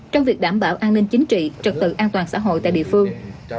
trong việc đảm bảo an ninh chính trị trật tự an toàn xã hội tại địa phương